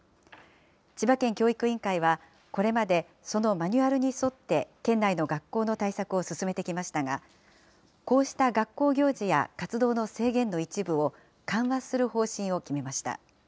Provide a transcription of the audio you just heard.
千葉県教育委員会は、これまで、そのマニュアルに沿って県内の学校の対策を進めてきましたが、こうした学校行事や活動の制限の一部を、緩和する方針を決めました。